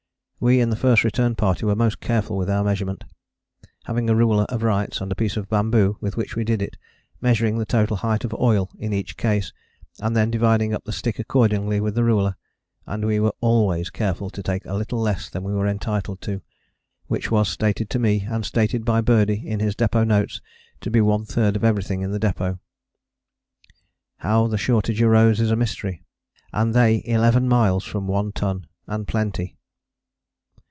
We in the First Return Party were most careful with our measurement having a ruler of Wright's and a piece of bamboo with which we did it: measuring the total height of oil in each case, and then dividing up the stick accordingly with the ruler: and we were always careful to take a little less than we were entitled to, which was stated to me, and stated by Birdie in his depôt notes, to be one third of everything in the depôt. How the shortage arose is a mystery. And they eleven miles from One Ton and plenty!